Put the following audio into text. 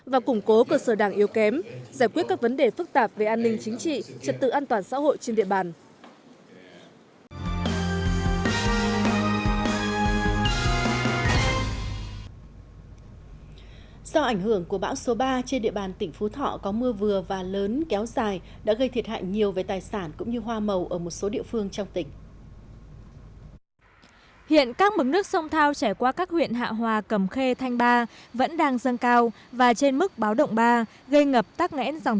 và củng cố cơ sở đảng yếu kém giải quyết các vấn đề phức tạp về an ninh chính trị trật tự an toàn xã hội trên địa bàn